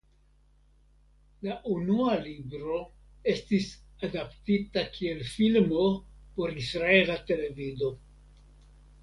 La unua libro estis adaptita kiel filmo por israela televido.